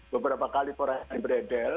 beberapa kali porosnya beredel